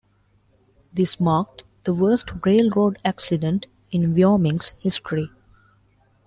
This marked the worst railroad accident in Wyoming's history.